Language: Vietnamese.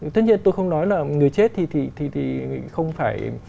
tất nhiên tôi không nói là người chết thì không phải